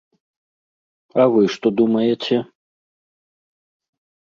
А вы што думаеце?